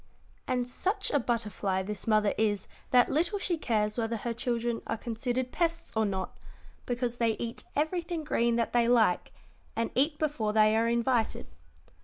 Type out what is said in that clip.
"And such a butterfly this mother is that little she cares whether her children are considered pests or not, because they eat everything green that they like, and eat before they are invited.